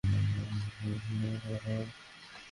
Heart attack হবে।